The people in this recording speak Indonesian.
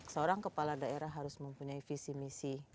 seorang kepala daerah harus mempunyai visi misi